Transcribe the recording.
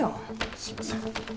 すいません。